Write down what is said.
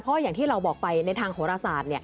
เพราะอย่างที่เราบอกไปในทางโหรศาสตร์